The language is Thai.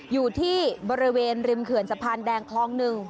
อยู่ที่บริเวณริมเขื่อนสะพานแดงคลอง๑